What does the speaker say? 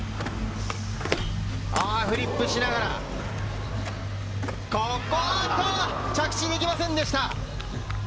フリップしながら、ここは着地できませんでした。